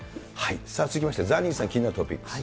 続きまして、ザニーさん、気になったトピックス。